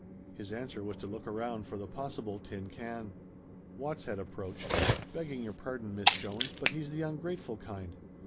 His answer was to look around for the possible tin can. Watts had approached. "Begging your pardon, Miss Jones, but he's the ungrateful kind.